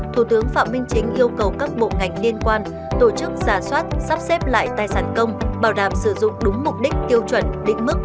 thủ tướng phạm minh chính yêu cầu các bộ ngành liên quan tổ chức giả soát sắp xếp lại tài sản công bảo đảm sử dụng đúng mục đích tiêu chuẩn định mức